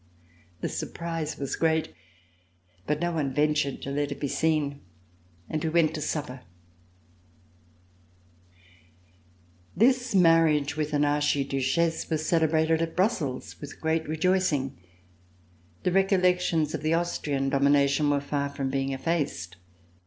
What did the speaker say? The surprise was great, but no one ventured to let It be seen, and we went to supper. VISIT OF THE KMPKROR This marriage with an Archiduchesse was cele brated at Brussels with great rejoicing. The recollec tions of the Austrian domination were far from being effaced.